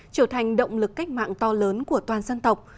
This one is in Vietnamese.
trở thành động lực cách mạng to lớn của toàn dân tộc